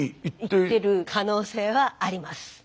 行ってる可能性はあります。